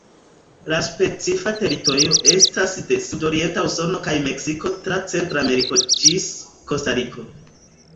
La specifa teritorio estas de sudorienta Usono kaj Meksiko tra Centrameriko ĝis Kostariko.